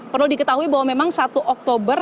perlu diketahui bahwa memang satu oktober